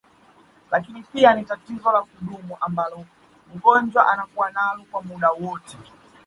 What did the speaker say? Lakini pia ni tatizo la kudumu ambalo mgonjwa anakua nalo kwa muda wote